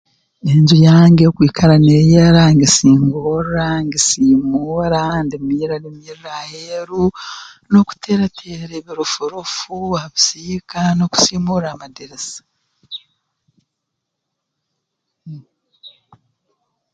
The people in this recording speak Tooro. Enju yange kwikara neeyera ngisingorra ngisiimuura ndimirra limirra aheeru n'okuteera teera ebirofurofu ha bisiika n'okusiimura amadirisa